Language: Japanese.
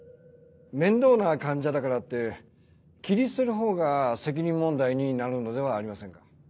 面倒な患者だからって切り捨てるほうが責任問題になるのではありませんか？